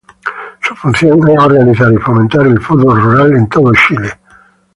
Su función es organizar y fomentar el fútbol rural en todo Chile.